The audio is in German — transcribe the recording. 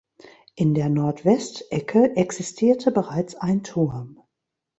In der Nordwestecke existierte bereits ein Turm.